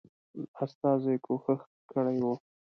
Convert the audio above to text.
استازي کوښښ کړی وو.